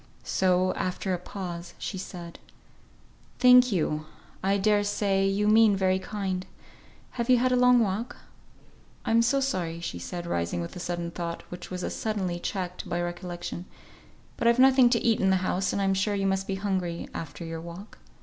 So, after a pause she said, "Thank you. I dare say you mean very kind. Have you had a long walk? I'm so sorry," said she, rising, with a sudden thought, which was as suddenly checked by recollection, "but I've nothing to eat in the house, and I'm sure you must be hungry, after your walk."